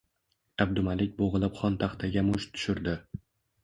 Abdumalik bo`g`ilib xontaxtaga musht tushirdi